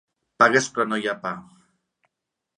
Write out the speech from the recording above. Pagues però no hi ha pa.